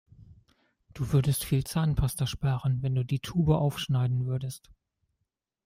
Du würdest viel Zahnpasta sparen, wenn du die Tube aufschneiden würdest.